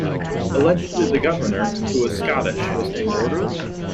Allegedly, the Governor, who was Scottish, was angered.